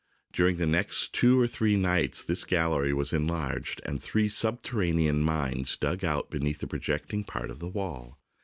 During the next two or three nights this gallery was enlarged and three subterranean mines dug out beneath the projecting part of the wall.